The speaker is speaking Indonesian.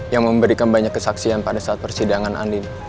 yang memberikan banyak kesaksian pada saat persidangan andin